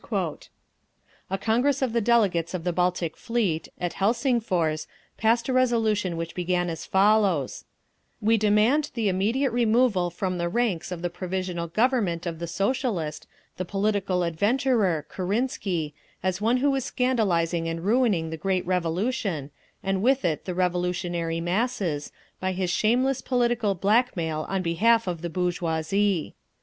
A Congress of delegates of the Baltic Fleet, at Helsingfors, passed a resolution which began as follows: We demand the immediate removal from the ranks of the Provisional Government of the "Socialist," the political adventurer—Kerensky, as one who is scandalising and ruining the great Revolution, and with it the revolutionary masses, by his shameless political blackmail on behalf of the bourgeoisie….